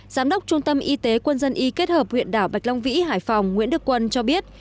giám đốc trung tâm y tế quân dân y kết hợp huyện đảo bạch long vĩ hải phòng nguyễn đức quân cho biết